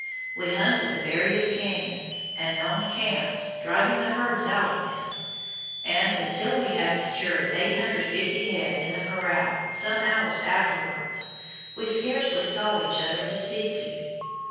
We hunted the various canyons and known "camps," driving the herds out of them; and, until we had secured 850 head in the corral some hours afterwards, we scarcely saw each other to speak to.